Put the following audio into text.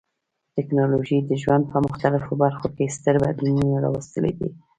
ټکنالوژي د ژوند په مختلفو برخو کې ستر بدلونونه راوستلي دي.